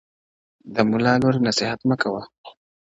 د ملا لوري نصيحت مه كوه ،